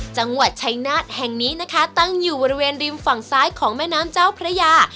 จังหวัดชัยนาฏแห่งนี้นะคะตั้งอยู่บริเวณริมฝั่งซ้ายของแม่น้ำเจ้าพระยา